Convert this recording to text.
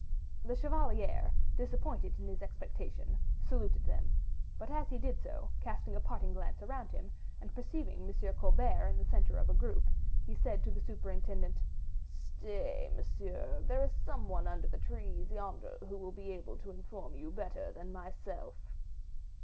The chevalier, disappointed in his expectation, saluted them; but as he did so, casting a parting glance around him, and perceiving M. Colbert in the center of a group, he said to the superintendent: "Stay, monsieur; there is some one under the trees yonder, who will be able to inform you better than myself."